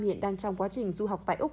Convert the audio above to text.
hiện đang trong quá trình du học tại úc